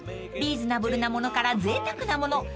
［リーズナブルなものからぜいたくなもの］